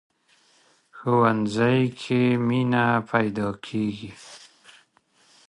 ښوونځی کې مینه پيداکېږي